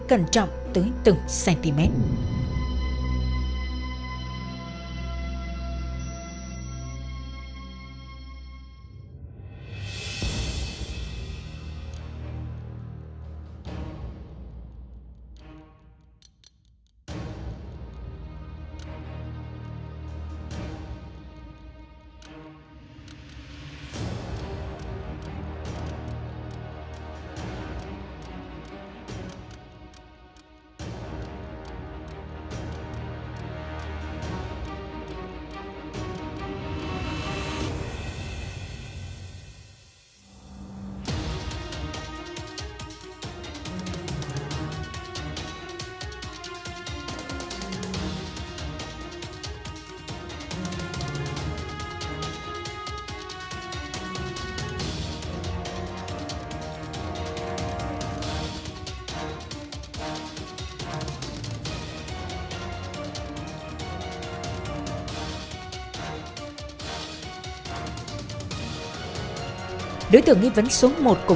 cẩn trọng tới từng cm